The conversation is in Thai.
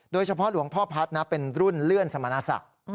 โดยเฉพาะหลวงพ่อพัฒน์เป็นรุ่นเลื่อนสมณศักดิ์